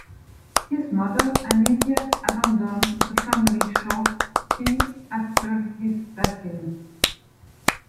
His mother Anisia abandoned the family shorty after his baptism.